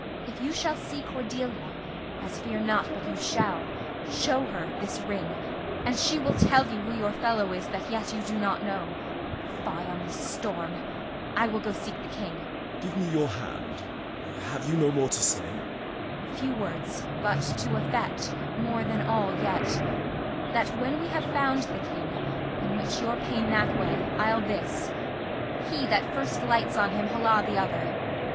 If you shall see Cordelia (As fear not but you shall), show her this ring, And she will tell you who your fellow is That yet you do not know. Fie on this storm! I will go seek the King. Gent. Give me your hand. Have you no more to say? Kent. Few words, but, to effect, more than all yet: That, when we have found the King (in which your pain That way, I'll this), he that first lights on him Holla the other.